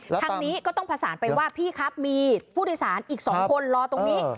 ทางนี้ก็ต้องประสานไปว่าพี่ครับมีผู้โดยสารอีก๒คนรอตรงนี้